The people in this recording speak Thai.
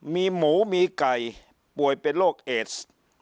มีหมูมีไก่ป่วยเป็นโรคเอส